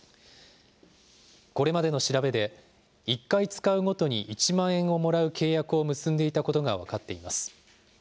これまでの調べで、１回使うごとに１万円をもらう契約を結んでいたことが分かっています。